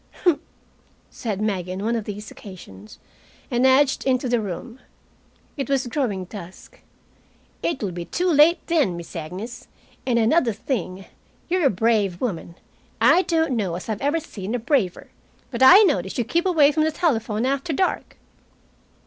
"Humph!" said Maggie on one of these occasions, and edged into the room. It was growing dusk. "It will be too late then, Miss Agnes. And another thing. You're a brave woman. I don't know as I've seen a braver. But I notice you keep away from the telephone after dark."